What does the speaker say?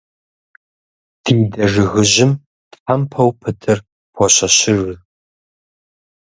Ди дэ жыгыжьым тхьэмпэу пытыр пощэщыж.